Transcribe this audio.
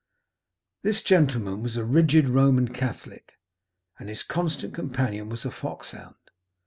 This gentleman was a rigid Roman Catholic, and his constant companion was a foxhound.